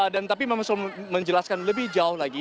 dan tapi memang menjelaskan lebih jauh lagi